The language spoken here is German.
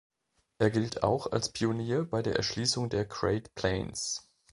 Er gilt auch als Pionier bei der Erschließung der Great Plains.